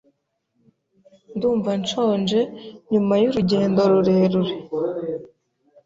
Ndumva nshonje nyuma y'urugendo rurerure.